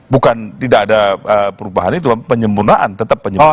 bukan tidak ada perubahan itu penyempurnaan tetap penyempurna